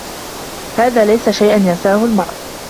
هذا ليس شيئا ينساه المرأ.